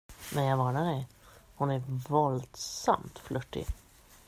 Men jag varnar dig, hon är våldsamt flörtig.